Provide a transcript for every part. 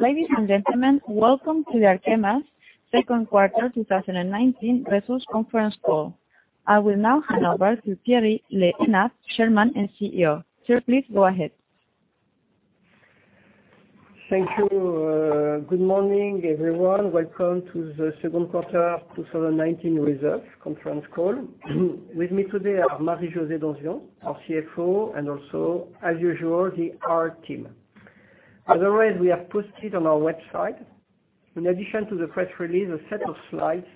Ladies and gentlemen, welcome to the Arkema's second quarter 2019 results conference call. I will now hand over to Thierry Le Hénaff, Chairman and CEO. Sir, please go ahead. Thank you. Good morning, everyone. Welcome to the second quarter 2019 results conference call. With me today are Marie-José Donsion, our CFO, and also, as usual, the IR team. As always, we have posted on our website, in addition to the press release, a set of slides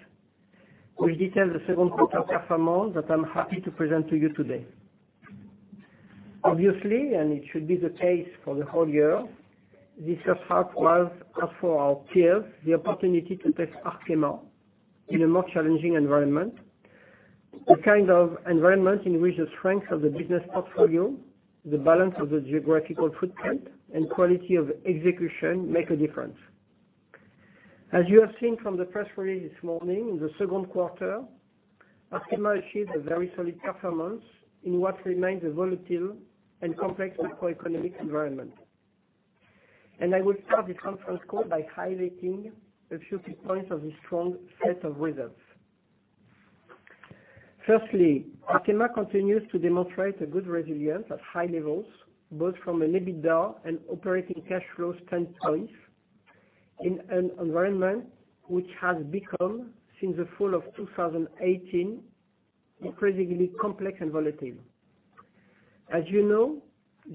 which detail the second quarter performance that I'm happy to present to you today. Obviously, and it should be the case for the whole year, this first half was, as for our peers, the opportunity to test Arkema in a more challenging environment. The kind of environment in which the strength of the business portfolio, the balance of the geographical footprint, and quality of execution make a difference. As you have seen from the press release this morning, in the second quarter, Arkema achieved a very solid performance in what remains a volatile and complex macroeconomic environment. I will start this conference call by highlighting a few key points of this strong set of results. Firstly, Arkema continues to demonstrate a good resilience at high levels, both from an EBITDA and operating cash flow standpoint, in an environment which has become, since the fall of 2018, increasingly complex and volatile. As you know,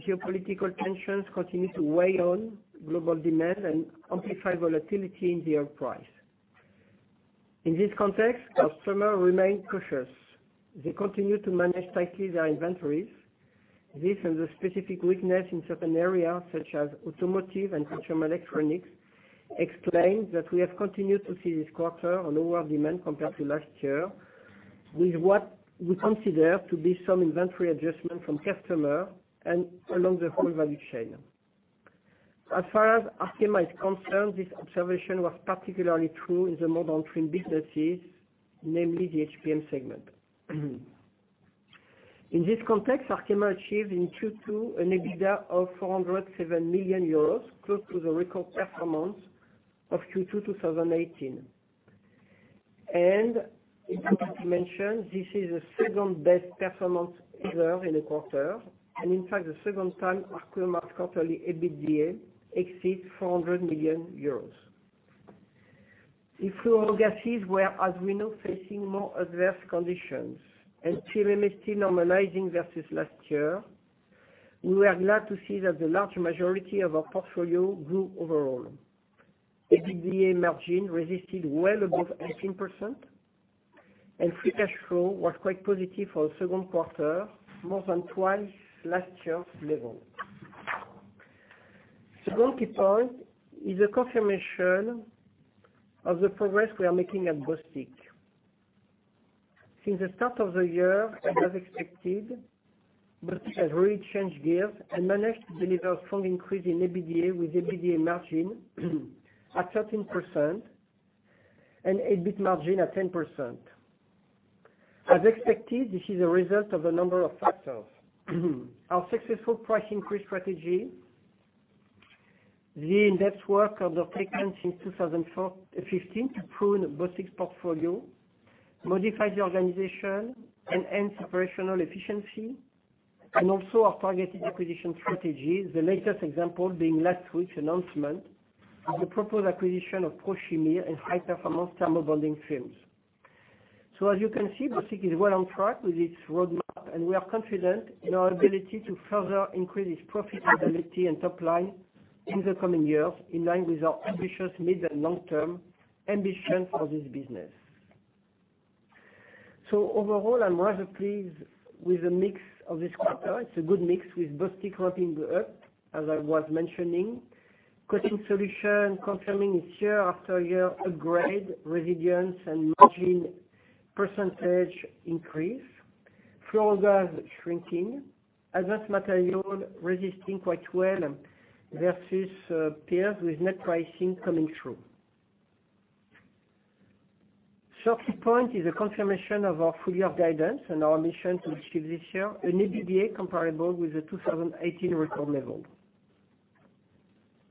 geopolitical tensions continue to weigh on global demand and amplify volatility in the oil price. In this context, customers remain cautious. They continue to manage tightly their inventories. This and the specific weakness in certain areas such as automotive and consumer electronics, explain that we have continued to see this quarter a lower demand compared to last year, with what we consider to be some inventory adjustment from customer and along the whole value chain. As far as Arkema is concerned, this observation was particularly true in the more downstream businesses, namely the HPM segment. It is worth to mention, this is the second-best performance ever in a quarter, and in fact, the second time Arkema's quarterly EBITDA exceeds 400 million euros. If fluorogases were, as we know, facing more adverse conditions, and TMST normalizing versus last year, we were glad to see that the large majority of our portfolio grew overall. EBITDA margin resisted well above 18%, and free cash flow was quite positive for the second quarter, more than twice last year's level. Second key point is a confirmation of the progress we are making at Bostik. Since the start of the year, as expected, Bostik has really changed gears and managed to deliver a strong increase in EBITDA, with EBITDA margin at 13% and EBIT margin at 10%. As expected, this is a result of a number of factors. Our successful price increase strategy, the in-depth work undertaken since 2015 to prune Bostik's portfolio, modify the organization, enhance operational efficiency, and also our targeted acquisition strategy. The latest example being last week's announcement of the proposed acquisition of Prochimir and high-performance thermo-bonding films. As you can see, Bostik is well on track with its roadmap, and we are confident in our ability to further increase its profitability and top line in the coming years, in line with our ambitious mid and long-term ambition for this business. Overall, I'm rather pleased with the mix of this quarter. It's a good mix with Bostik ramping up, as I was mentioning. Coating Solutions confirming its year after year upgrade, resilience, and margin % increase. fluorogas shrinking. Advanced Materials resisting quite well versus peers, with net pricing coming through. Third key point is a confirmation of our full-year guidance and our mission to achieve this year an EBITDA comparable with the 2018 record level.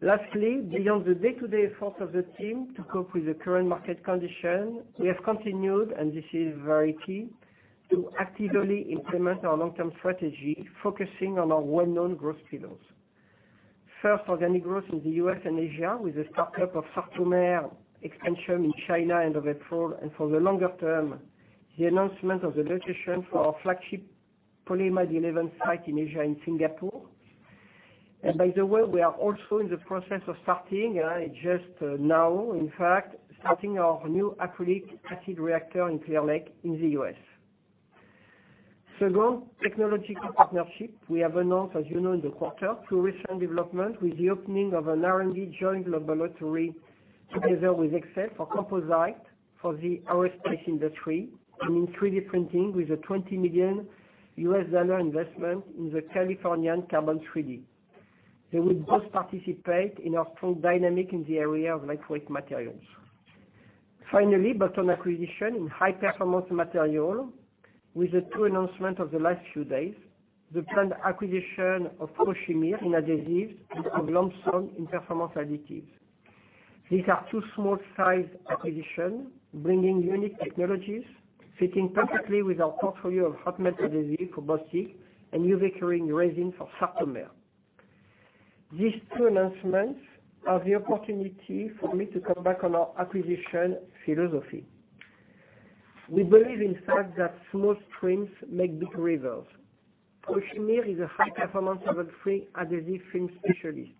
Lastly, beyond the day-to-day efforts of the team to cope with the current market condition, we have continued, and this is very key, to actively implement our long-term strategy, focusing on our well-known growth pillars. First, organic growth in the U.S. and Asia with the start-up of Sartomer expansion in China end of April. For the longer term, the announcement of the location for our flagship Polyamide 11 site in Asia and Singapore. By the way, we are also in the process of starting, just now in fact, starting our new acrylic acid reactor in Clear Lake in the U.S. Second, technological partnership. We have announced, as you know, in the quarter, two recent developments with the opening of an R&D joint laboratory together with Hexcel for composite for the aerospace industry, and in 3D printing with a $20 million U.S. investment in the Californian Carbon 3D. They will both participate in our strong dynamic in the area of lightweight materials. Finally, bottom acquisition in High Performance Materials with the two announcement of the last few days, the planned acquisition of Prochimir in adhesives and of Lambson in performance additives. These are two small size acquisition, bringing unique technologies, fitting perfectly with our portfolio of hot melt adhesive for Bostik and UV curing resin for Sartomer. These two announcements are the opportunity for me to come back on our acquisition philosophy. We believe in fact that small streams make big rivers. Prochimir is a high-performance solvent-free adhesive film specialist.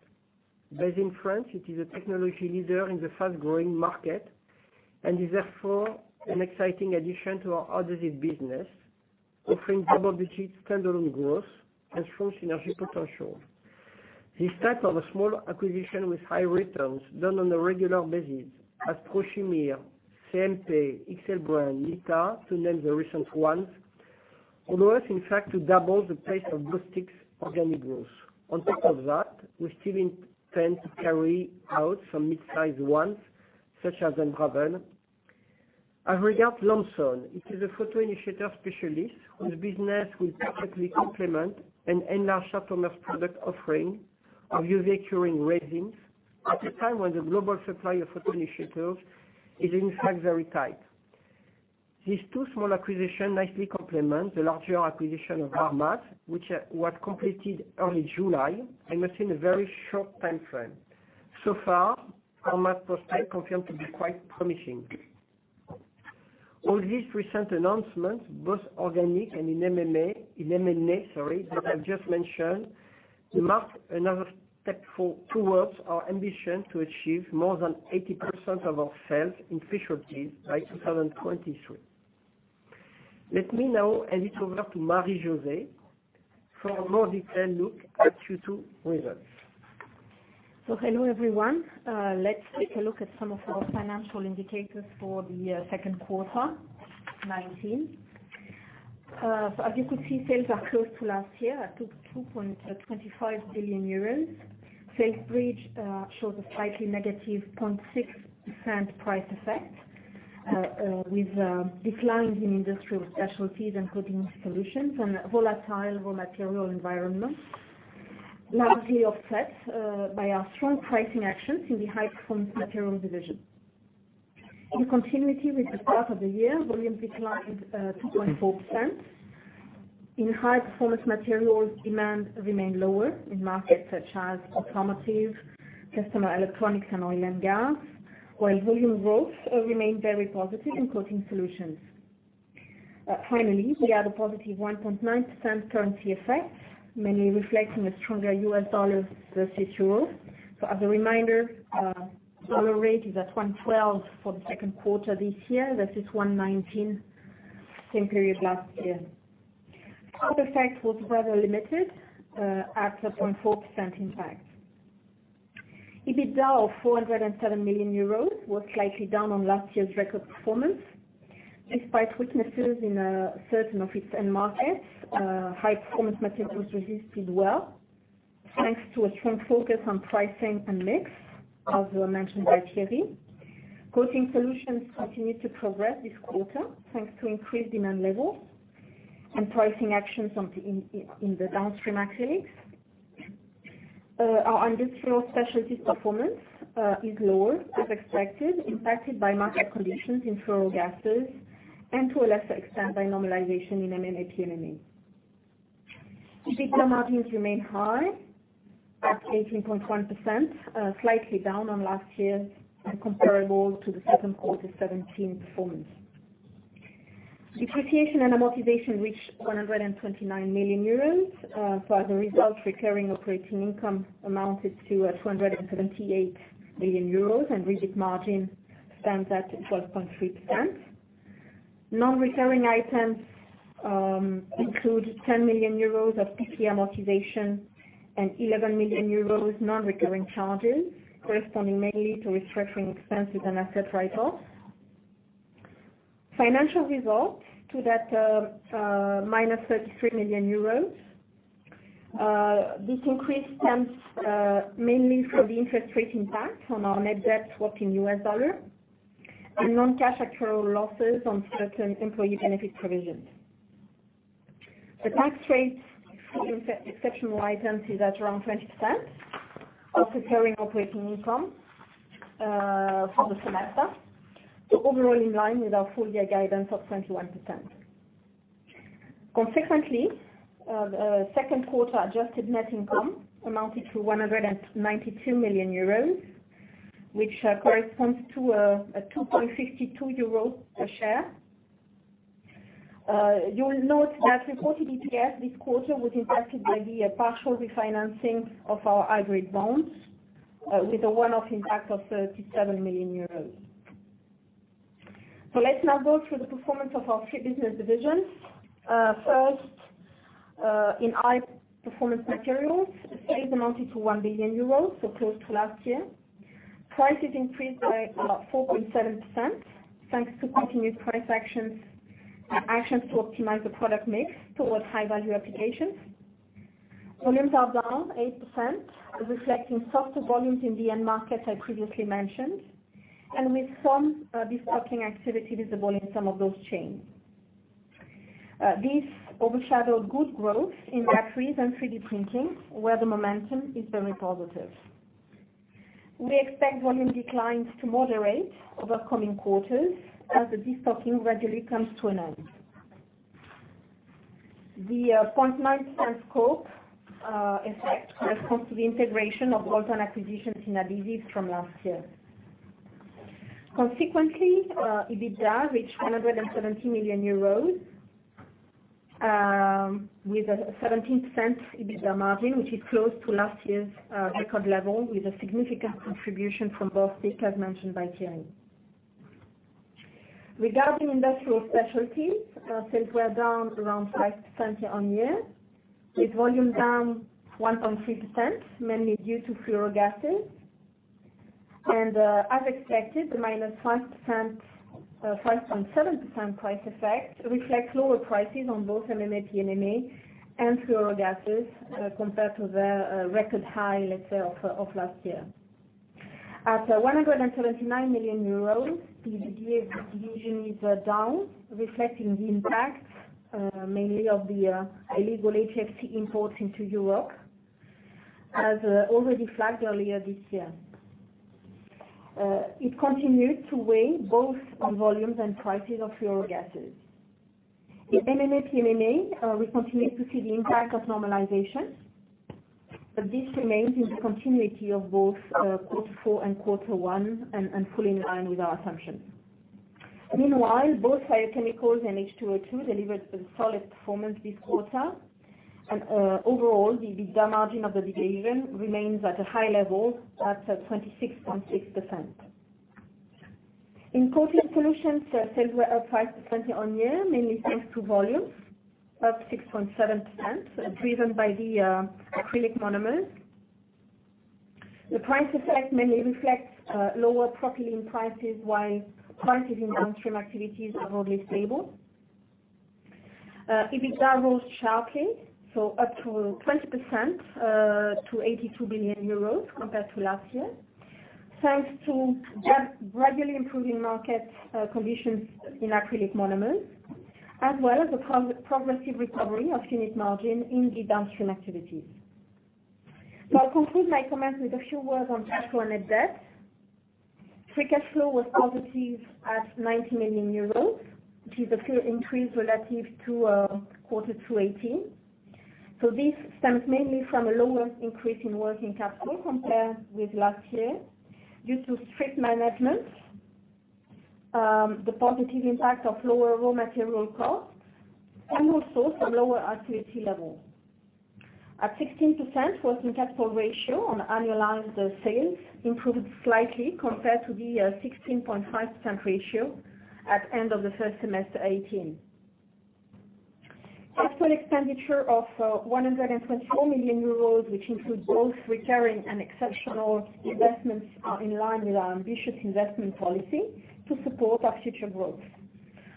Based in France, it is a technology leader in the fast-growing market and is therefore an exciting addition to our adhesive business, offering double-digit standalone growth and strong synergy potential. This type of a small acquisition with high returns done on a regular basis as Prochimir, CMP, XL Brands, Lita, to name the recent ones, allow us in fact to double the pace of Bostik's organic growth. On top of that, we still intend to carry out some mid-size ones such as Den Braven. As regard Lambson, it is a photoinitiator specialist whose business will perfectly complement and enlarge Sartomer's product offering of UV curing resins at a time when the global supply of photoinitiators is in fact very tight. These two small acquisition nicely complement the larger acquisition of ArrMaz, which was completed early July and within a very short timeframe. So far, ArrMaz prospects confirmed to be quite promising. All these recent announcements, both organic and in M&A that I've just mentioned, mark another step towards our ambition to achieve more than 80% of our sales in specialties by 2023. Let me now hand it over to Marie-José for a more detailed look at Q2 results. Hello, everyone. Let's take a look at some of our financial indicators for the second quarter 2019. As you could see, sales are close to last year at 2.25 billion euros. Sales bridge shows a slightly negative 0.6% price effect, with declines in Industrial Specialties and Coating Solutions and a volatile raw material environment, largely offset by our strong pricing actions in the High Performance Materials division. In continuity with the start of the year, volumes declined 2.4%. In High Performance Materials, demand remained lower in markets such as automotive, customer electronics, and oil and gas, while volume growth remained very positive in Coating Solutions. Finally, we had a positive 1.9% currency effect, mainly reflecting a stronger U.S. dollar versus EUR. As a reminder, U.S. dollar rate is at 1.12 USD for the second quarter this year versus 1.19 USD same period last year. Cloud effect was rather limited at 0.4% impact. EBITDA of €407 million was slightly down on last year's record performance. Despite weaknesses in certain of its end markets, High Performance Materials resisted well, thanks to a strong focus on pricing and mix, as mentioned by Thierry. Coating Solutions continued to progress this quarter, thanks to increased demand levels and pricing actions in the downstream acrylics. Our Industrial Specialties performance is lower, as expected, impacted by market conditions in fluorogases, and to a lesser extent, by normalization in M&A PMMA. EBITDA margins remain high at 18.1%, slightly down on last year and comparable to the second quarter '17 performance. Depreciation and amortization reached €129 million. As a result, recurring operating income amounted to €278 million and EBIT margin stands at 12.3%. Non-recurring items include 10 million euros of PPE amortization and 11 million euros non-recurring charges, corresponding mainly to restructuring expenses and asset write-offs. Financial results to that minus 33 million euros. This increase stems mainly from the interest rate impact on our net debt swap in US dollar and non-cash actuarial losses on certain employee benefit provisions. The tax rate for the exceptional items is at around 20% of recurring operating income for the semester. Overall in line with our full year guidance of 21%. Consequently, the second quarter adjusted net income amounted to 192 million euros, which corresponds to a 2.52 euro per share. You will note that reported EPS this quarter was impacted by the partial refinancing of our hybrid bonds with a one-off impact of 37 million euros. Let's now go through the performance of our three business divisions. First, in High Performance Materials, sales amounted to 1 billion euros, close to last year. Prices increased by 4.7% thanks to continued price actions to optimize the product mix towards high value applications. Volumes are down 8%, reflecting softer volumes in the end market I previously mentioned, with some destocking activity visible in some of those chains. This overshadowed good growth in batteries and 3D printing, where the momentum is very positive. We expect volume declines to moderate over coming quarters as the destocking gradually comes to an end. The 0.9% scope effect corresponds to the integration of bolt-on acquisitions in Afinitica from last year. Consequently, EBITDA reached EUR 170 million, with a 17% EBITDA margin, which is close to last year's record level, with a significant contribution from both effects as mentioned by Thierry. Regarding Industrial Specialties, sales were down around 5% year-on-year, with volumes down 1.3%, mainly due to fluorogases. As expected, the -5.7% price effect reflects lower prices on both MMA/PMMA and fluorogases compared to the record high, let's say, of last year. At 179 million euros, the division is down, reflecting the impact mainly of the illegal HFC imports into Europe, as already flagged earlier this year. It continued to weigh both on volumes and prices of fluorogases. In MMA/PMMA, we continue to see the impact of normalization, but this remains in the continuity of both Quarter Four and Quarter One and fully in line with our assumptions. Meanwhile, both thiochemicals and H2O2 delivered a solid performance this quarter, and overall, the EBITDA margin of the division remains at a high level, that's at 26.6%. In Coating Solutions, sales were up 5% year-on-year, mainly thanks to volumes up 6.7%, driven by the acrylic monomers. The price effect mainly reflects lower propylene prices, while prices in downstream activities are more stable. EBITDA rose sharply, so up to 20% to 82 billion euros compared to last year, thanks to gradually improving market conditions in acrylic monomers, as well as a progressive recovery of unit margin in the downstream activities. I'll conclude my comments with a few words on cash flow and net debt. Free cash flow was positive at 90 million euros, which is a clear increase relative to Quarter 2 2018. This stems mainly from a lower increase in working capital compared with last year, due to strict management, the positive impact of lower raw material costs, and also some lower activity levels. At 16%, working capital ratio on annualized sales improved slightly compared to the 16.5% ratio at end of the first semester 2018. Capital expenditure of 124 million euros, which includes both recurring and exceptional investments, are in line with our ambitious investment policy to support our future growth.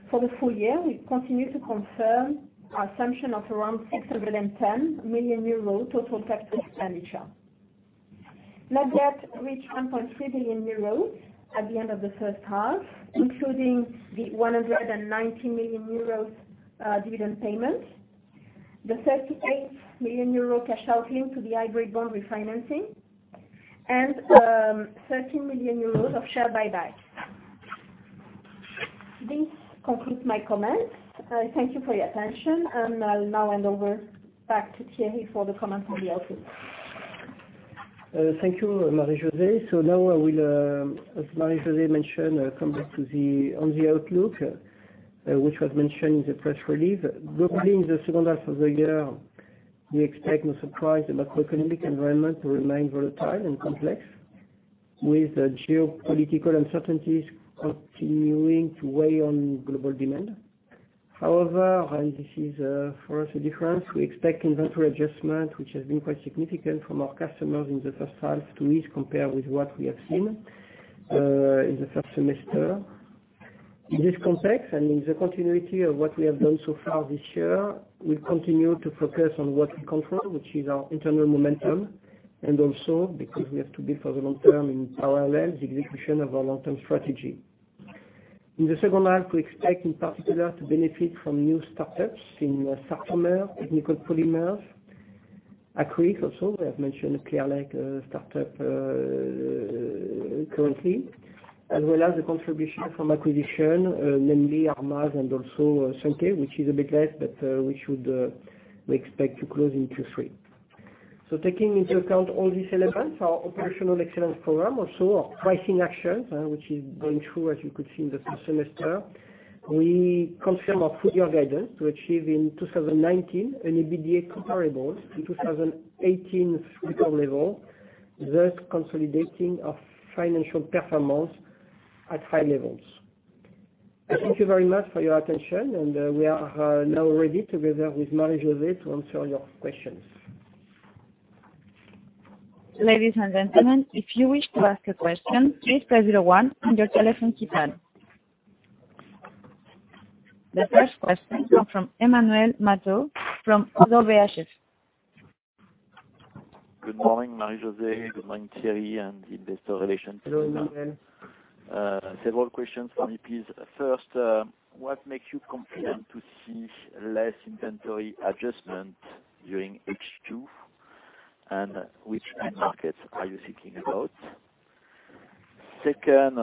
For the full year, we continue to confirm our assumption of around 610 million euro total capital expenditure. Net debt reached 1.3 billion euro at the end of the first half, including the 119 million euro dividend payment, the 38 million euro cash outflow to the hybrid bond refinancing, and 13 million euros of share buyback. This concludes my comments. Thank you for your attention, and I'll now hand over back to Thierry for the comments on the outlook. Thank you, Marie-José. Now I will, as Marie-José mentioned, come back on the outlook, which was mentioned in the press release. Roughly, in the second half of the year, we expect, no surprise, the macroeconomic environment to remain volatile and complex, with geopolitical uncertainties continuing to weigh on global demand. However, this is, for us, a difference, we expect inventory adjustment, which has been quite significant from our customers in the first half, to ease compared with what we have seen in the first semester. In this context, in the continuity of what we have done so far this year, we'll continue to focus on what we control, which is our internal momentum, and also because we have to build for the long term in parallel the execution of our long-term strategy. In the second half, we expect, in particular, to benefit from new startups in Surfactants, Technical Polymers, Acrylics also, we have mentioned Clear Lake startup currently, as well as the contribution from acquisition, namely ArrMaz and also Sunke, which is a bit less, but we expect to close in Q3. Taking into account all these elements, our operational excellence program, also our pricing actions, which is going through, as you could see in the first semester, we confirm our full-year guidance to achieve in 2019 an EBITDA comparable to 2018 full year level, thus consolidating our financial performance at high levels. Thank you very much for your attention, we are now ready, together with Marie-José, to answer your questions. Ladies and gentlemen, if you wish to ask a question, please press zero one on your telephone keypad. The first question comes from Emmanuel Matot from Oddo BHF. Good morning, Marie-José. Good morning, Thierry, and the Investor Relations team. Hello, Emmanuel. Several questions for me, please. First, what makes you confident to see less inventory adjustment during H2, and which end markets are you thinking about? Second,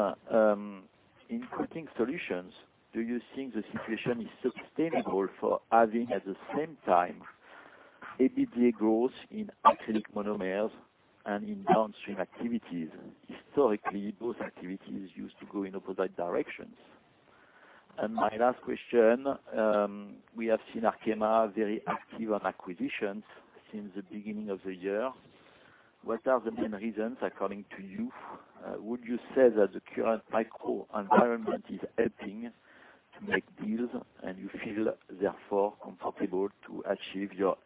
in Coating Solutions, do you think the situation is sustainable for having, at the same time, a bigger growth in acrylic monomers and in downstream activities? Historically, both activities used to go in opposite directions. My last question, we have seen Arkema very active on acquisitions since the beginning of the year. What are the main reasons, according to you? Would you say that the current macro environment is helping to make deals, and you feel, therefore, comfortable to achieve your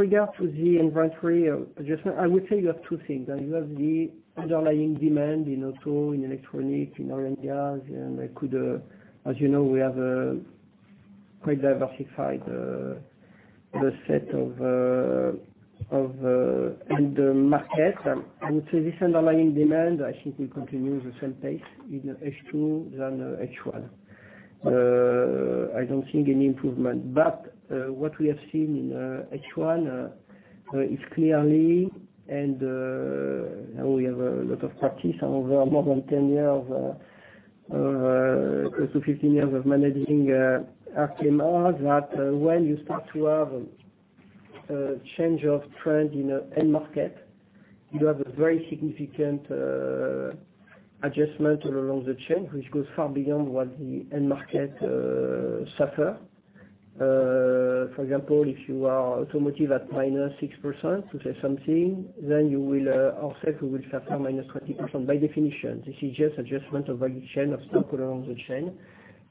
M&A projects for the 2020 roadmap? Thank you. Okay. Emmanuel, with regard to the inventory adjustment, I would say you have two things. You have the underlying demand in auto, in electronics, in oil and gas. As you know, we have a quite diversified set of end markets. I would say this underlying demand, I think, will continue the same pace in H2 than H1. I don't think any improvement. What we have seen in H1 is clearly, and we have a lot of practice, over more than 10 years or close to 15 years of managing Arkema, that when you start to have a change of trend in an end market, you have a very significant adjustment all along the chain, which goes far beyond what the end market suffers. For example, if you are automotive at minus 6%, to say something, then OEM will suffer minus 30%, by definition. This is just adjustment of value chain of stock along the chain.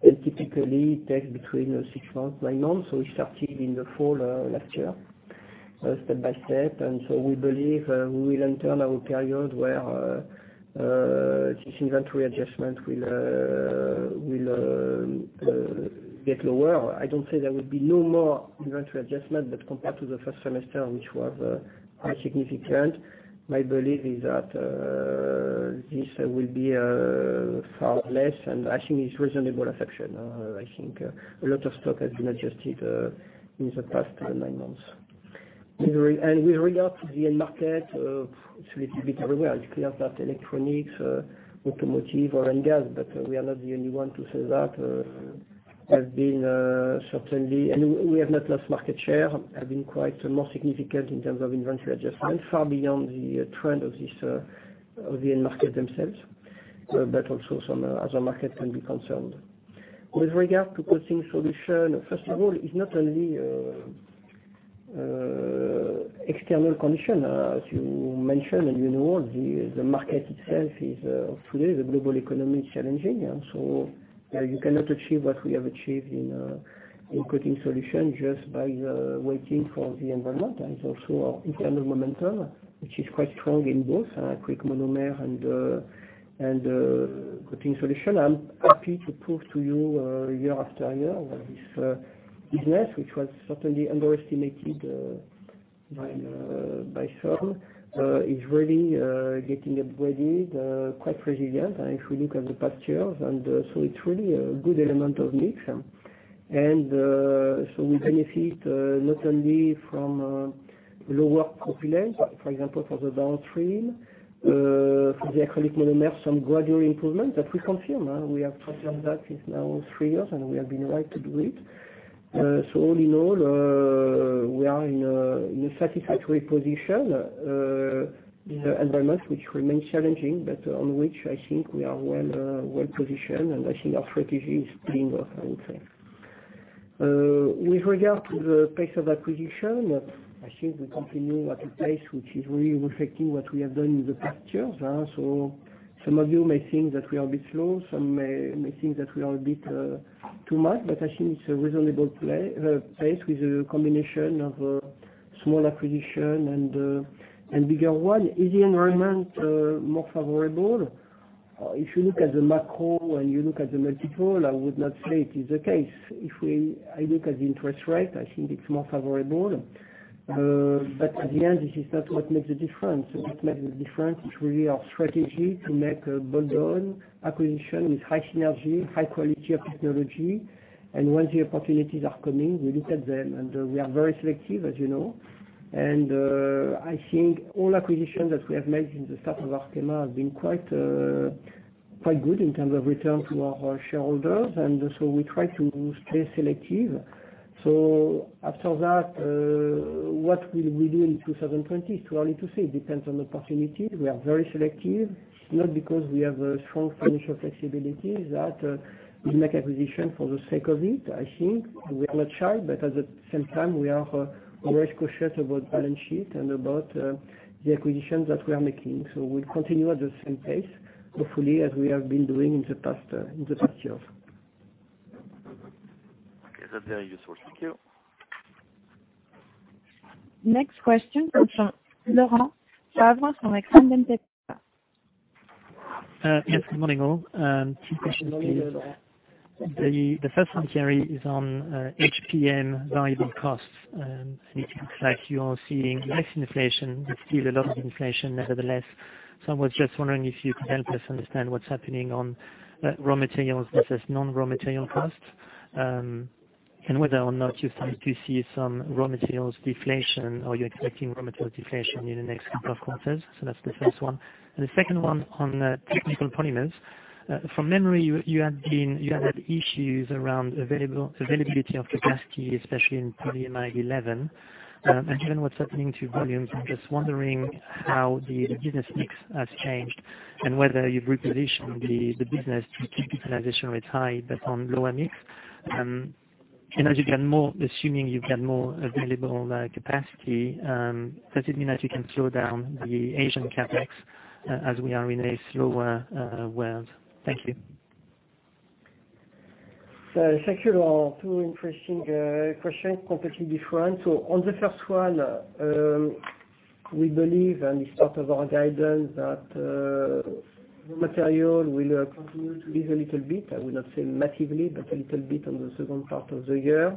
It typically takes between six months, nine months. It started in the fall last year, step by step. We believe we will enter now a period where this inventory adjustment will get lower. I don't say there will be no more inventory adjustment, but compared to the first semester, which was quite significant, my belief is that this will be far less, and I think it's reasonable assumption. I think a lot of stock has been adjusted in the past nine months. With regard to the end market, it's a little bit everywhere. It's clear that electronics, automotive, oil and gas, but we are not the only one to say that, have been quite more significant in terms of inventory adjustment, far beyond the trend of the end market themselves. We have not lost market share. Also some other markets can be concerned. With regard to Coating Solutions, first of all, it's not only external condition, as you mentioned, and you know, the market itself is, today, the global economy is challenging. You cannot achieve what we have achieved in Coating Solutions just by waiting for the environment. It's also internal momentum, which is quite strong in both acrylic monomer and Coating Solutions. I'm happy to prove to you year after year that this business, which was certainly underestimated by some, is really getting upgraded, quite resilient, if we look at the past years. It's really a good element of mix. We benefit not only from lower propylene, for example, for the downstream, for the acrylic monomers, some gradual improvement that we confirm. We have confirmed that it's now three years, and we have been right to do it. All in all, we are in a satisfactory position in an environment which remains challenging, but on which I think we are well-positioned, and I think our strategy is paying off, I would say. With regard to the pace of acquisition, I think we continue at a pace which is really reflecting what we have done in the past years. Some of you may think that we are a bit slow, some may think that we are a bit too much, but I think it's a reasonable pace with a combination of small acquisition and bigger one. Is the environment more favorable? If you look at the macro and you look at the multiple, I would not say it is the case. If I look at the interest rate, I think it's more favorable. At the end, this is not what makes a difference. What makes a difference is really our strategy to make a build-on acquisition with high synergy, high quality of technology. Once the opportunities are coming, we look at them, and we are very selective, as you know. I think all acquisitions that we have made since the start of Arkema have been quite good in terms of return to our shareholders, and so we try to stay selective. After that, what will we do in 2020? It's too early to say. It depends on opportunity. We are very selective. It's not because we have a strong financial flexibility that we'll make acquisition for the sake of it, I think. We are not shy, but at the same time, we are always cautious about balance sheet and about the acquisitions that we are making. We'll continue at the same pace, hopefully, as we have been doing in the past years. That's very useful. Thank you. Next question comes from Laurent from Exane BNP Paribas. Yes, good morning all. Two questions, please. The first one, Thierry, is on HPM variable costs. It looks like you're seeing less inflation, but still a lot of inflation nevertheless. I was just wondering if you could help us understand what's happening on raw materials versus non-raw material costs, and whether or not you're starting to see some raw materials deflation, or you're expecting raw material deflation in the next couple of quarters. That's the first one. The second one on technical polymers. From memory, you had issues around availability of capacity, especially in Polyamide 11. Given what's happening to volumes, I'm just wondering how the business mix has changed and whether you've repositioned the business to keep utilization rates high but on lower mix. As you get more, assuming you get more available capacity, does it mean that you can slow down the Asian CapEx as we are in a slower world? Thank you. Thank you, Laurent. Two interesting questions, completely different. On the first one, we believe, and it's part of our guidance, that raw material will continue to ease a little bit. I would not say massively, but a little bit on the second part of the year.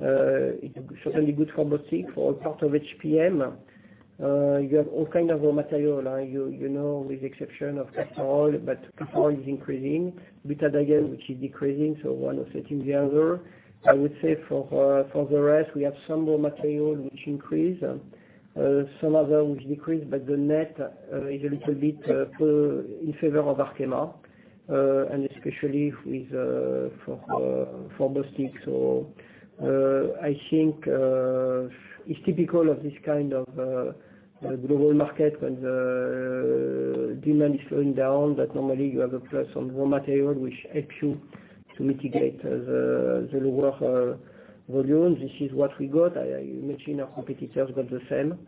It's certainly good for Bostik, for all parts of HPM. You have all kind of raw material. With the exception of castor oil, but castor oil is increasing, butadiene, which is decreasing, one offsetting the other. I would say for the rest, we have some raw material which increase, some other which decrease, the net is a little bit in favor of Arkema, and especially for Bostik. I think it's typical of this kind of global market when the demand is going down, that normally you have a plus on raw material, which helps you to mitigate the lower volume. This is what we got. I imagine our competitors got the same.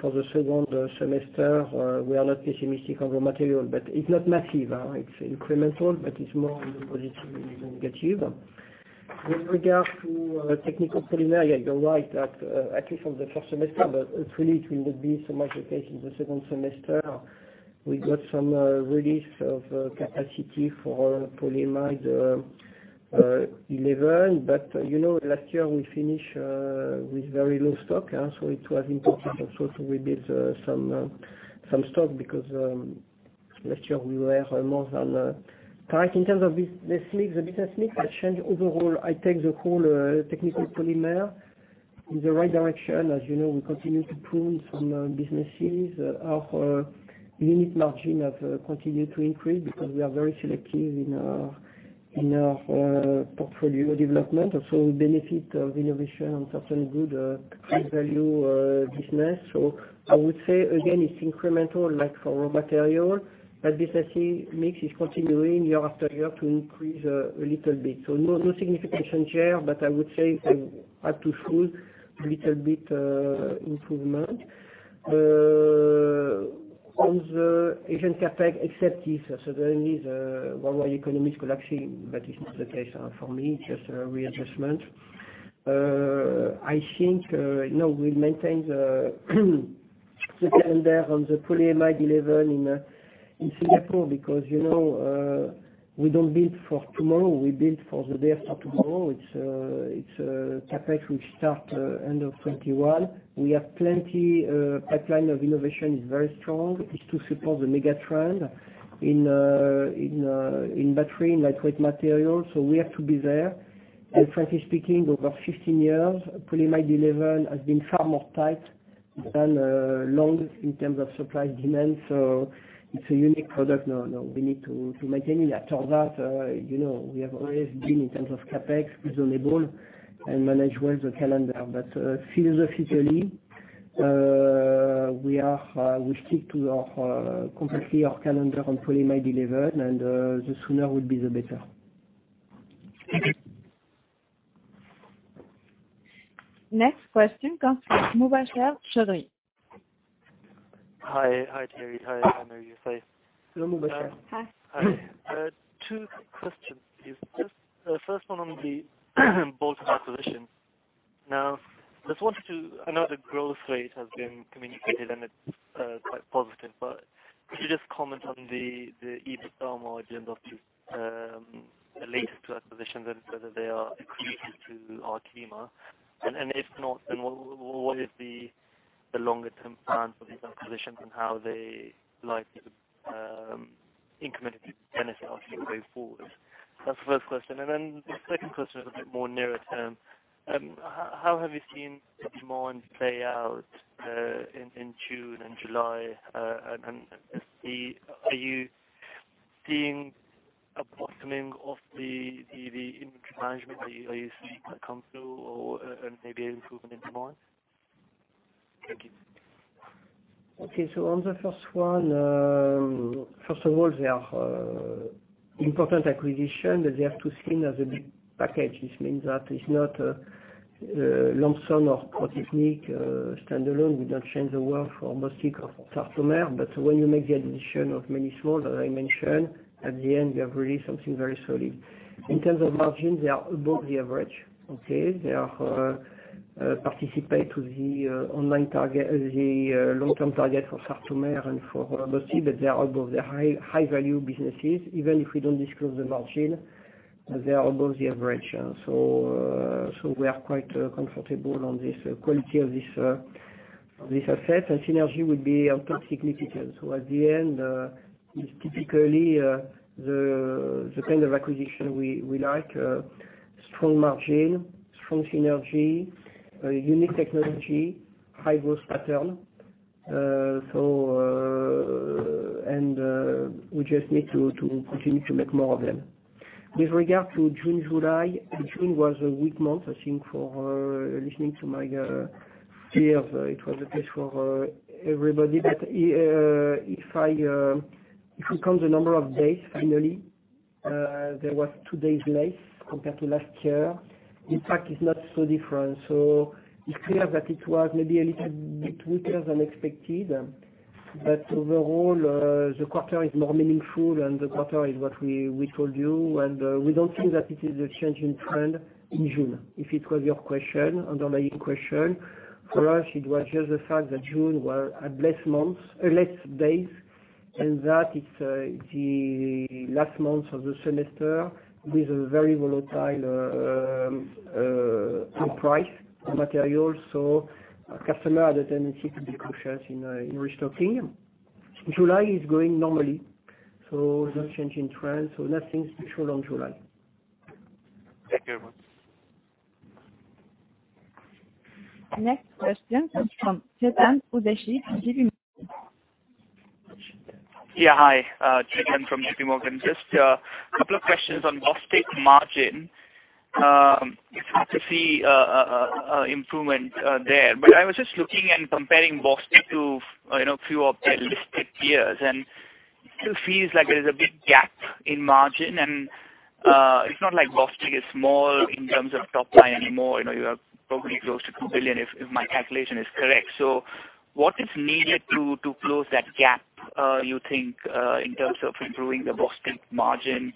For the second semester, we are not pessimistic on raw material, but it's not massive. It's incremental, but it's more on the positive than the negative. With regard to Technical Polymers, you're right that, at least from the first semester, but really it will not be so much the case in the second semester. We got some release of capacity for Polyamide 11. Last year we finish with very low stock, so it was important also to rebuild some stock because last year we were more than tight. In terms of this mix, the business mix has changed overall. I take the whole Technical Polymers in the right direction. As you know, we continue to prune some businesses. Our unit margin have continued to increase because we are very selective in our portfolio development. We benefit of innovation on certain good value business. I would say, again, it's incremental, like for raw material, but business mix is continuing year after year to increase a little bit. No significant change, I would say I have to show a little bit improvement. On the Asian CapEx, except if suddenly the worldwide economic collapse, it's not the case for me, it's just a readjustment. I think we'll maintain the calendar on the Polyamide 11 in Singapore because we don't build for tomorrow, we build for the day after tomorrow. It's a CapEx which start end of 2021. We have plenty. Pipeline of innovation is very strong. It's to support the mega trend in battery, in lightweight materials. We have to be there. Frankly speaking, over 15 years, Polyamide 11 has been far more tight than long in terms of supply and demand. It's a unique product, we need to maintain it. After that, we have always been, in terms of CapEx, reasonable and manage well the calendar. Philosophically, we stick completely our calendar on Polyamide 11, and the sooner would be the better. Next question comes from Mubasher Chaudhry. Hi, Thierry. Hi, Marie-José. Hello, Mubasher. Hi. Hi. Two quick questions, please. The first one on the Bostik acquisition. I know the growth rate has been communicated, and it's quite positive. Could you just comment on the EBITDA margin of these latest two acquisitions and whether they are accretive to Arkema? If not, then what is the longer-term plan for these acquisitions and how they likely to incrementally benefit us going forward? That's the first question. Then the second question is a bit more nearer term. How have you seen demand play out in June and July? Are you seeing a bottoming of the inventory management? Are you seeing it come through or maybe an improvement in demand? Thank you. Okay, on the first one. First of all, they are important acquisitions, but they have to be seen as a big package. This means that it's not a Lambson or Prochimir, standalone. We don't change the world for Bostik or for Sartomer. When you make the addition of many small, as I mentioned, at the end, you have really something very solid. In terms of margin, they are above the average. Okay. They participate to the overall target, the long-term target for Sartomer and for Bostik. They are both high-value businesses. Even if we don't disclose the margin, they are above the average. We are quite comfortable on this quality of this asset. Synergy will be significant. At the end, it's typically the kind of acquisition we like. Strong margin, strong synergy, unique technology, high growth pattern. We just need to continue to make more of them. With regard to June, July, June was a weak month, I think, for listening to my peers, it was the case for everybody. If you count the number of days annually, there was two days less compared to last year. Impact is not so different. It's clear that it was maybe a little bit weaker than expected. Overall, the quarter is more meaningful, and the quarter is what we told you, and we don't think that it is a change in trend in June. If it was your question, underlying question. For us, it was just the fact that June was a less month, a less days, and that it's the last month of the semester with a very volatile end price of materials, so customer had a tendency to be cautious in restocking. July is going normally, so no change in trend, so nothing special on July. Thank you very much. Next question comes from Chetan Udeshi from JPMorgan. Yeah. Hi. Chetan from JPMorgan. Just a couple of questions on Bostik margin. Happy to see improvement there. I was just looking and comparing Bostik to a few of their listed peers, and it still feels like there is a big gap in margin, and it's not like Bostik is small in terms of top line anymore. You are probably close to 2 billion, if my calculation is correct. What is needed to close that gap, you think, in terms of improving the Bostik margin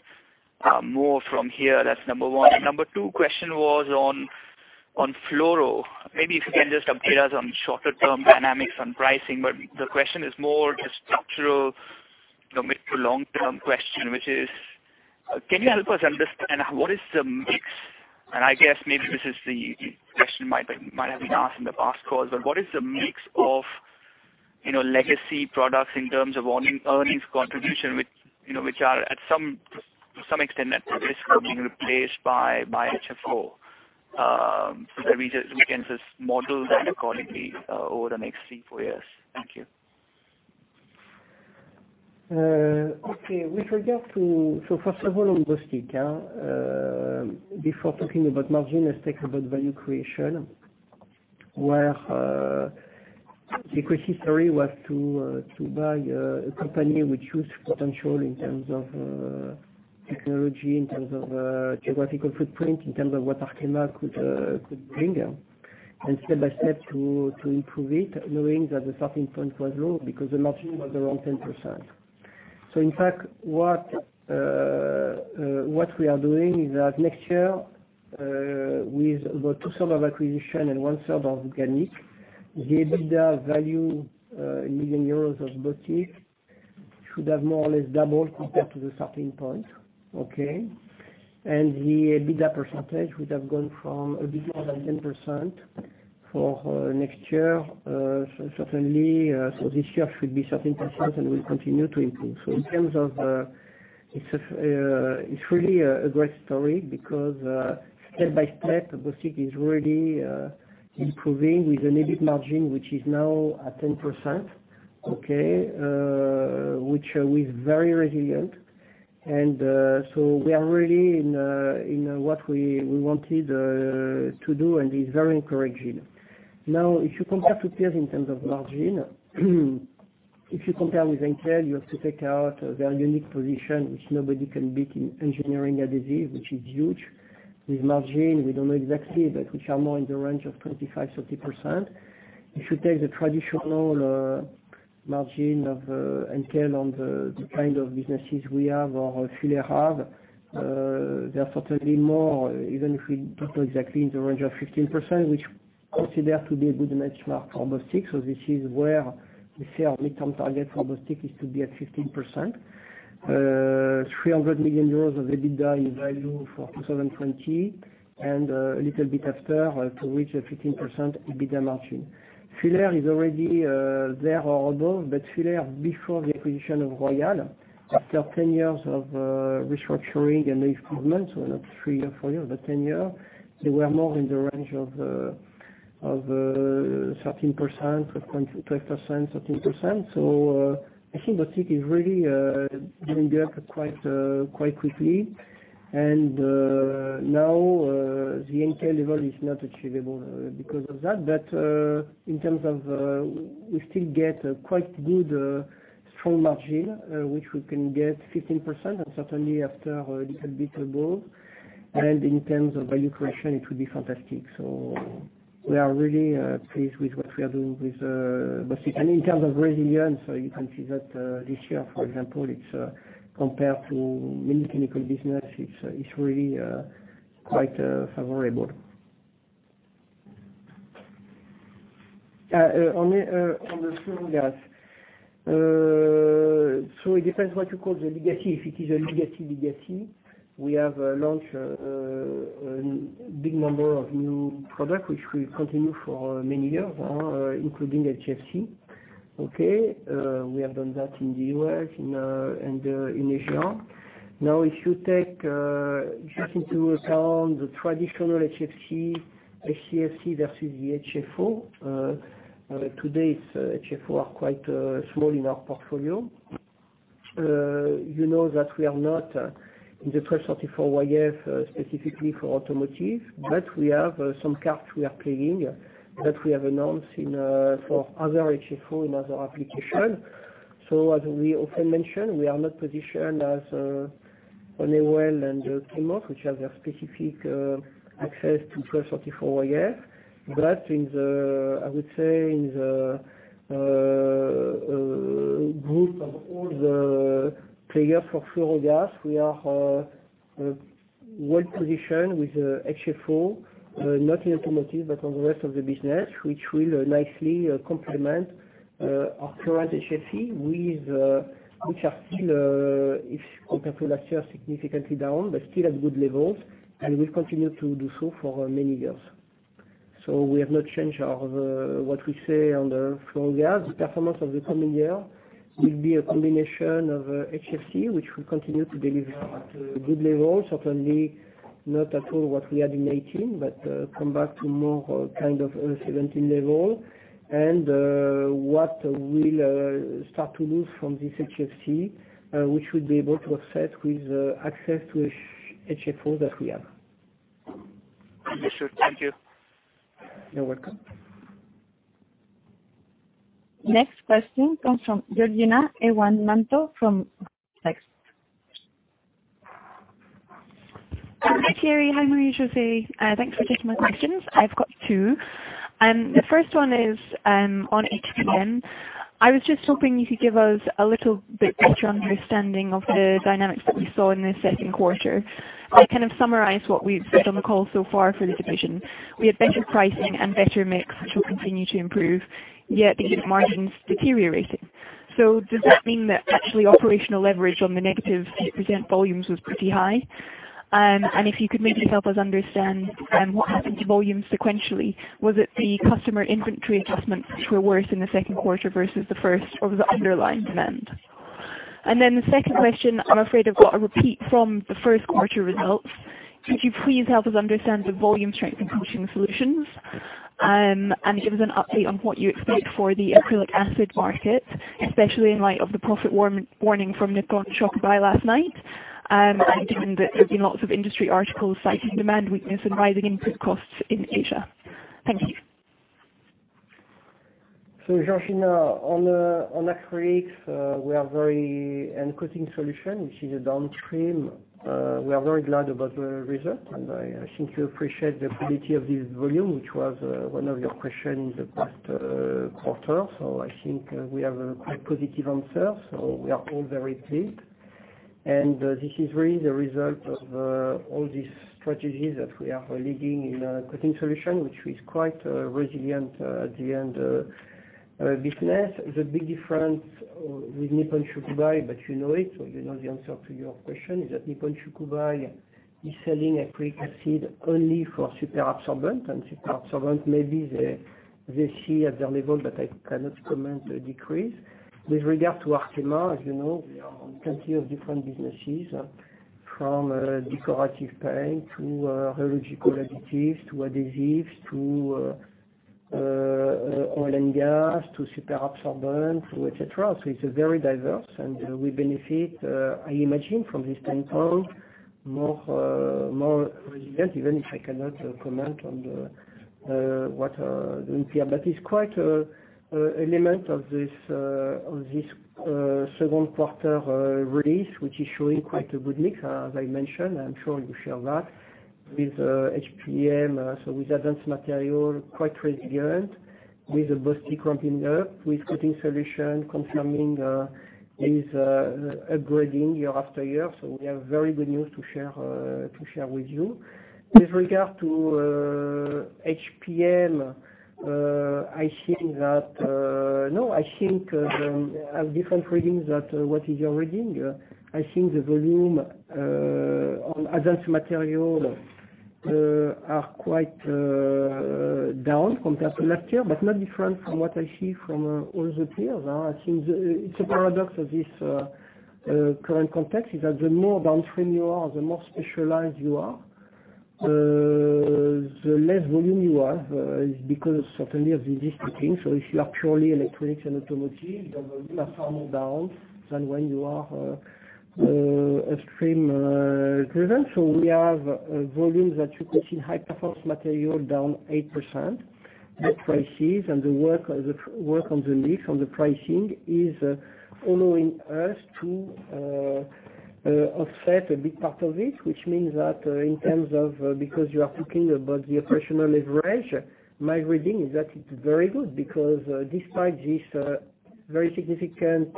more from here? That's number 1. Number 2 question was on fluorogases. Maybe if you can just update us on shorter term dynamics on pricing, but the question is more a structural, mid to long term question, which is, can you help us understand what is the mix? I guess maybe this is the question might have been asked in the past calls, but what is the mix of legacy products in terms of earnings contribution which are at some extent at risk of being replaced by HFO? That we can just model that accordingly over the next three, four years. Thank you. Okay. First of all, on Bostik. Before talking about margin, let's talk about value creation, where the equity story was to buy a company which huge potential in terms of technology, in terms of geographical footprint, in terms of what Arkema could bring. Step-by-step to improve it, knowing that the starting point was low because the margin was around 10%. In fact, what we are doing is that next year, with about two-third of acquisition and one-third of organic, the EBITDA value in million EUR of Bostik should have more or less doubled compared to the starting point. Okay. The EBITDA percentage would have gone from a bit more than 10% for next year. Certainly, this year should be 10% and will continue to improve. It's really a great story because step-by-step, Bostik is really improving with an EBIT margin, which is now at 10%. Okay? Which is very resilient, we are really in what we wanted to do and is very encouraging. If you compare to peers in terms of margin, if you compare with Henkel, you have to take out their unique position, which nobody can beat in engineering adhesive, which is huge. With margin, we don't know exactly, but we are more in the range of 25%-30%. If you take the traditional margin of Henkel on the kind of businesses we have or H.B. Fuller have, they are certainly more, even if we don't know exactly, in the range of 15%, which we consider to be a good benchmark for Bostik. This is where we say our midterm target for Bostik is to be at 15%. 300 million euros of EBITDA in value for 2020, and a little bit after to reach a 15% EBITDA margin. Fuller is already there or above, but Fuller before the acquisition of Royal, after 10 years of restructuring and improvements, well not 3 or 4 years, but 10 years, they were more in the range of 13%, 12%, 13%. I think Bostik is really getting there quite quickly. Now, the Henkel level is not achievable because of that. In terms of We still get a quite good, strong margin, which we can get 15% and certainly after a little bit above. In terms of value creation, it will be fantastic. We are really pleased with what we are doing with Bostik. In terms of resilience, you can see that this year, for example, compared to many chemical businesses, it's really quite favorable. On the fluorogases. It depends what you call the legacy. If it is a legacy, we have launched a big number of new products, which we continue for many years, including HFC. Okay. We have done that in the U.S. and in Asia. If you take just into account the traditional HFC versus the HFO, today's HFO are quite small in our portfolio. You know that we are not in the HFO-1234yf specifically for automotive, but we have some cards we are playing that we have announced for other HFO in other applications. As we often mention, we are not positioned as on Honeywell and Chemours, which have a specific access to HFO-1234yf. I would say, in the group of all the players for fluorogases, we are well-positioned with HFO, not in automotive, but on the rest of the business, which will nicely complement our current HFC, which are still, if compared to last year, significantly down, but still at good levels and will continue to do so for many years. We have not changed what we say on the fluorogases. The performance of the coming year will be a combination of HFC, which will continue to deliver at good levels, certainly not at all what we had in 2018, but come back to more kind of 2017 level. What we'll start to lose from this HFC, which we'll be able to offset with access to HFO that we have. Understood. Thank you. You're welcome. Next question comes from Georgina Ewans-Manto from Exane. Hi, Thierry. Hi, Marie-José. Thanks for taking my questions. I've got two. The first one is on HPM. I was just hoping you could give us a little bit better understanding of the dynamics that we saw in the second quarter. I'll kind of summarize what we've said on the call so far for the division. We had better pricing and better mix, which will continue to improve, yet the unit margins deteriorating. Does that mean that actually operational leverage on the -8% volumes was pretty high? If you could maybe help us understand what happened to volumes sequentially. Was it the customer inventory adjustments which were worse in the second quarter versus the first, or was it underlying demand? The second question, I'm afraid I've got a repeat from the first quarter results. Could you please help us understand the volume strength in Coating Solutions? Give us an update on what you expect for the acrylic acid market, especially in light of the profit warning from Nippon Shokubai last night, and given that there have been lots of industry articles citing demand weakness and rising input costs in Asia. Thank you. Georgina, on acrylics, we are very and Coating Solutions, which is a downstream. We are very glad about the result, and I think you appreciate the quality of this volume, which was one of your questions in the past quarter. I think we have a quite positive answer. We are all very pleased. This is really the result of all these strategies that we are leading in Coating Solutions, which is quite a resilient at the end business. The big difference with Nippon Shokubai, but you know it, so you know the answer to your question, is that Nippon Shokubai is selling acrylic acid only for superabsorbent and superabsorbent, maybe they see at their level, but I cannot comment, a decrease. With regard to Arkema, as you know, we are on plenty of different businesses from decorative paint to rheological additives to adhesives to oil and gas to superabsorbent, et cetera. It's very diverse, and we benefit, I imagine, from this standpoint, more resilient, even if I cannot comment on what are doing here. It's quite an element of this second quarter release, which is showing quite a good mix, as I mentioned. I'm sure you share that with HPM. With Advanced Materials, quite resilient with a robust ramp in there, with Coating Solutions confirming with upgrading year after year. We have very good news to share with you. With regard to HPM, I think I have different readings that what is your reading. I think the volume on Advanced Materials are quite down compared to last year, but not different from what I see from all the peers. I think it's a paradox of this current context is that the more downstream you are, the more specialized you are, the less volume you have, is because certainly of the distinction. If you are purely electronics and automotive, your volume are far more down than when you are upstream driven. We have volumes that you could see High Performance Materials down 8%, net prices, and the work on the mix on the pricing is allowing us to offset a big part of this, which means that because you are talking about the operational leverage, my reading is that it's very good because despite this very significant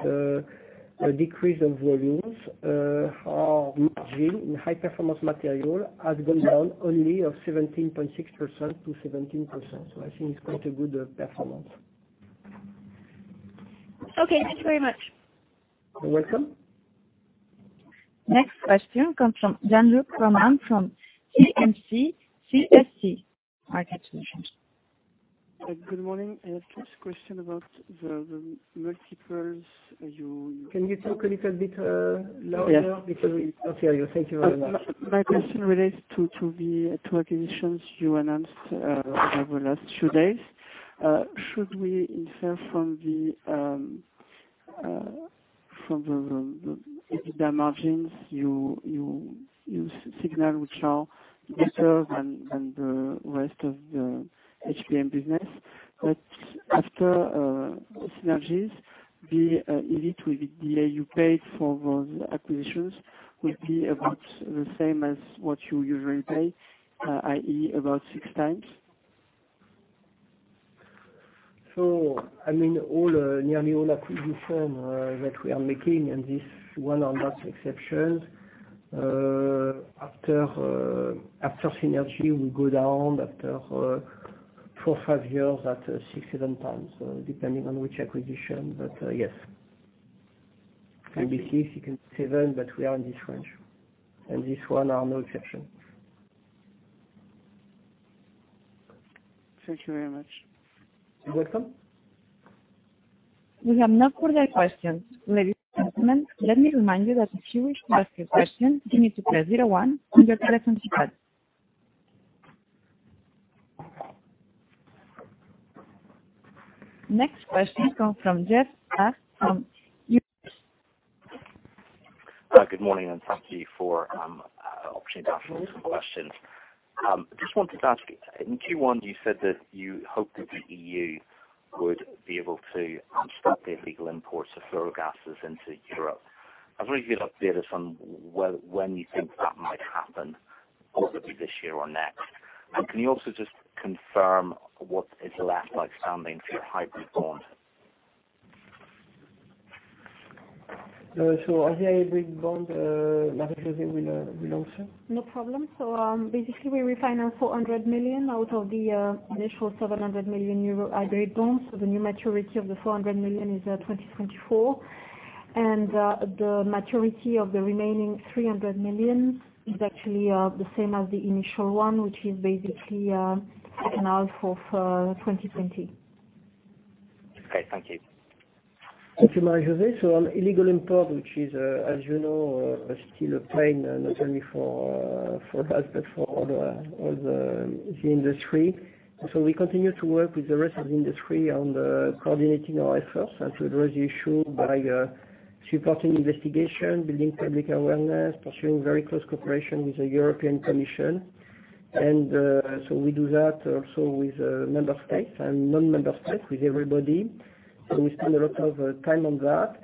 decrease of volumes in High Performance Materials, has gone down only 17%. I think it's quite a good performance. Okay, thanks very much. You're welcome. Next question comes from Jean-Luc Romain from CIC Market Solutions. Good morning. I have two questions about the multiples. Can you talk a little bit louder? Yes. Because we can't hear you. Thank you very much. My question relates to the two acquisitions you announced over the last few days. Should we infer from the EBITDA margins you signal, which are better than the rest of the HPM business. After synergies, the EBIT with the DA you paid for those acquisitions will be about the same as what you usually pay, i.e., about six times? Nearly all acquisition that we are making, and this one are not exceptions. After synergy, we go down after 4, 5 years at 6, 7 times, depending on which acquisition. Yes. Thank you. Maybe six, even seven, but we are in this range. This one is no exception. Thank you very much. You're welcome. We have no further questions. Ladies and gentlemen, let me remind you that if you wish to ask a question, you need to press zero one on your telephone keypad. Next question comes from Geoff Haire from. Good morning. Thank you for the option to ask some questions. I just wanted to ask, in Q1, you said that you hoped that the EU would be able to stop the illegal imports of fluorogases into Europe. I was wondering if you could update us on when you think that might happen, possibly this year or next. Can you also just confirm what is left standing for your hybrid bond? As the hybrid bond, Marie-José will answer. No problem. Basically we refinance 400 million out of the initial 700 million euro hybrid bond. The new maturity of the 400 million is 2024. The maturity of the remaining 300 million is actually the same as the initial one, which is basically paying out for 2020. Okay, thank you. Thank you, Marie-José. On illegal import, which is, as you know, still a pain, not only for us, but for all the industry. We continue to work with the rest of the industry on coordinating our efforts and to address the issue by supporting investigation, building public awareness, pursuing very close cooperation with the European Commission. We do that also with member states and non-member states, with everybody. We spend a lot of time on that.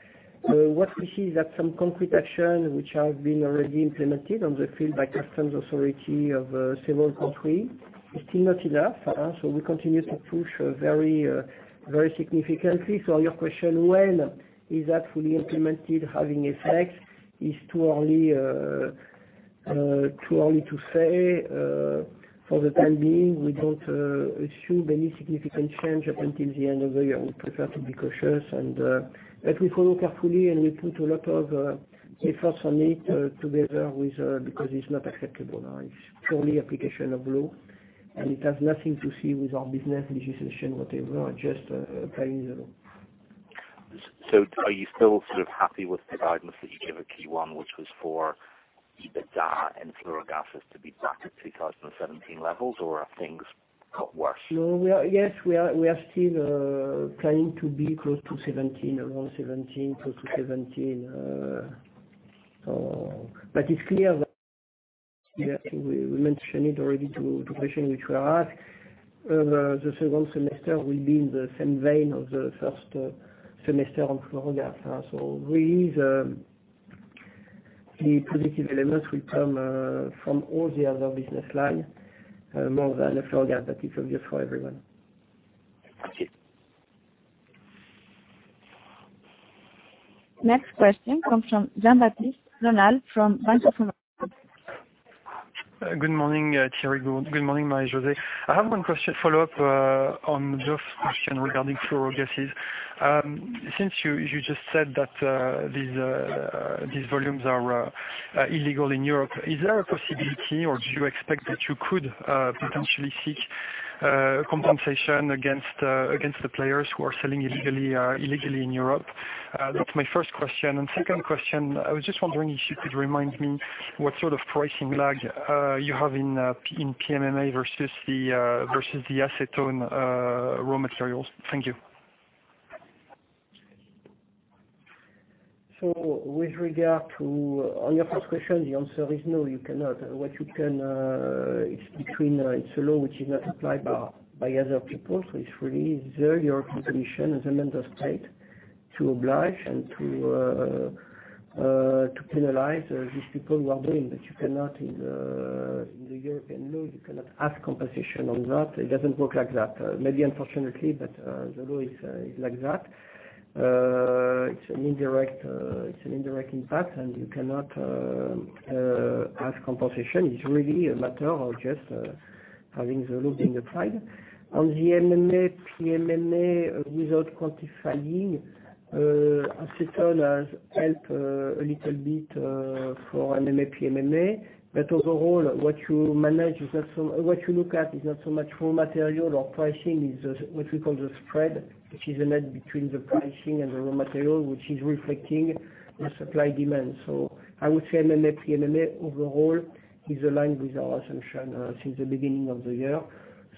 What we see is that some concrete action which have been already implemented on the field by customs authority of several countries is still not enough. We continue to push very significantly. On your question, when is that fully implemented, having effect, is too early to say. For the time being, we don't assume any significant change up until the end of the year. We prefer to be cautious. We follow carefully, and we put a lot of efforts on it together with, because it's not acceptable. It's purely application of law, and it has nothing to see with our business, legislation, whatever, just applying the law. Are you still sort of happy with the guidance that you gave at Q1, which was for EBITDA and fluorogases to be back at 2017 levels, or are things got worse? No. Yes, we are still planning to be close to 17, around 17, close to 17. It's clear that, I think we mentioned it already to a question which we are asked, the second semester will be in the same vein of the first semester on fluorogas. These, the positive elements will come from all the other business line more than the fluorogas. It will be for everyone. Thank you. Next question comes from Jean-Baptiste Rolland from Bank of America. Good morning, Thierry. Good morning, Marie-José. I have one question to follow up on Geoff's question regarding fluorogases. Since you just said that these volumes are illegal in Europe, is there a possibility or do you expect that you could potentially seek compensation against the players who are selling illegally in Europe? That's my first question. Second question, I was just wondering if you could remind me what sort of pricing lag you have in PMMA versus the acetone raw materials. Thank you. On your first question, the answer is no, you cannot. What you can, it's a law which is not applied by other people, it's really the European Commission as a member state to oblige and to penalize these people who are doing that. You cannot in the European law, you cannot ask compensation on that. It doesn't work like that. Maybe unfortunately, the law is like that. It's an indirect impact, you cannot ask compensation. It's really a matter of just having the law being applied. On the MMA, PMMA, without quantifying, acetone has helped a little bit for MMA, PMMA. Overall, what you look at is not so much raw material or pricing. It's what we call the spread, which is the net between the pricing and the raw material, which is reflecting the supply-demand. I would say MMA, PMMA overall is aligned with our assumption since the beginning of the year.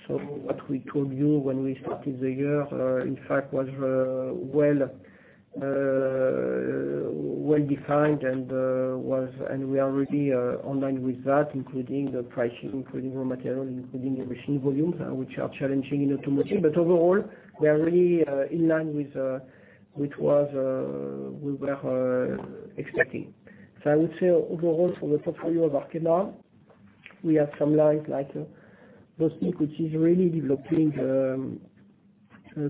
What we told you when we started the year, in fact, was well-defined and we are really in line with that, including the pricing, including raw material, including the machine volumes, which are challenging in automotive. Overall, we are really in line with what we were expecting. I would say overall for the portfolio of Arkema, we have some lines like Bostik, which is really developing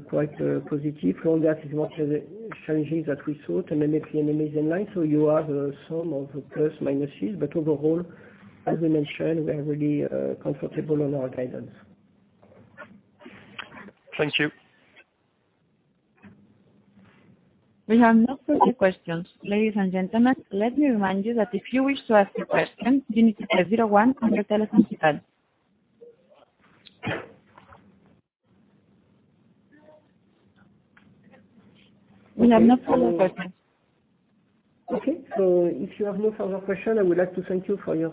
quite positive from that as much as the challenges that we saw. To MMA, PMMA is in line. You have a sum of plus, minuses, but overall, as we mentioned, we are really comfortable on our guidance. Thank you. We have no further questions. Ladies and gentlemen, let me remind you that if you wish to ask a question, you need to press zero one on your telephone keypad. We have no further questions. Okay. If you have no further question, I would like to thank you for your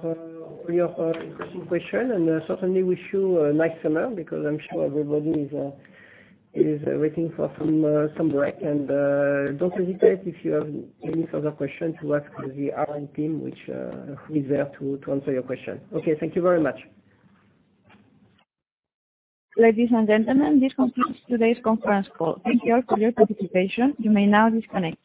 interesting question, and certainly wish you a nice summer, because I'm sure everybody is waiting for some break. Don't hesitate if you have any further questions to ask the IR team, which is there to answer your question. Thank you very much. Ladies and gentlemen, this concludes today's conference call. Thank you all for your participation. You may now disconnect.